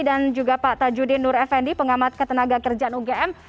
dan juga pak tajudin nur effendi pengamat ketenagakerjaan ugm